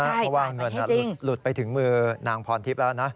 เพราะว่าเงินหลุดไปถึงมือนางพรทิพย์แล้วนะ